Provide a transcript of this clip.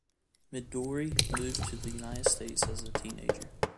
Midori moved to the United States as a teenager.